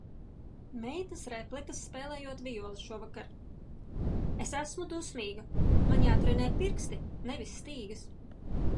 Meitas replikas, spēlējot vijoli šovakar - es esmu dusmīga!... man jātrenē pirksti, nevis stīgas!...